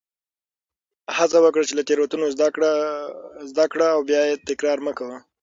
هڅه وکړه چې له تېروتنو زده کړه او بیا یې تکرار مه کوه.